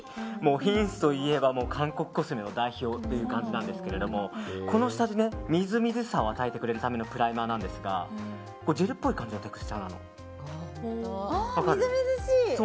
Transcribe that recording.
ヒンスといえば韓国コスメの代表という感じなんですけどこの下地みずみずしさを与えてくれるためのプライマーなんですがジェルっぽい感じのみずみずしい！